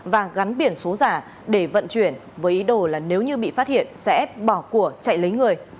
và gắn biển số giả để vận chuyển với ý đồ là nếu như bị phát hiện sẽ bỏ của chạy lấy người